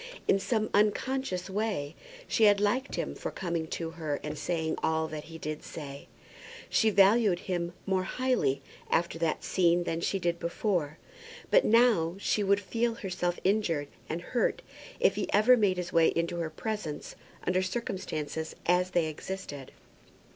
In some unconscious way she had liked him for coming to her and saying all that he did say. She valued him more highly after that scene than she did before. But now, she would feel herself injured and hurt if he ever made his way into her presence under circumstances as they existed.